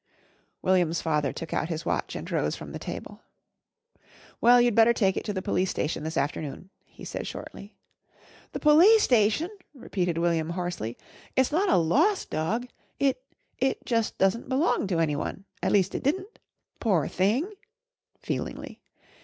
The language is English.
William's father took out his watch and rose from the table. "Well, you'd better take it to the Police Station this afternoon," he said shortly. "The Police Station!" repeated William hoarsely. "It's not a lost dog. It it jus' doesn't belong to anyone, at least it didn't. Poor thing," feelingly.